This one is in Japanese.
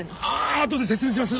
ああとで説明します。